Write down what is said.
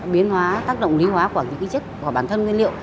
biến hóa tác động lý hóa của những chất của bản thân nguyên liệu